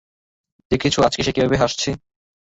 দেখেছো আজকে সে কিভাবে হাসছে।